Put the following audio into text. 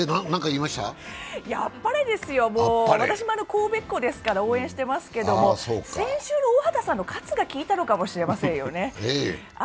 あっぱれですよ、私も神戸っ子ですから応援してますけど、先週の大畑さんの渇が効いたのかもしれませんね。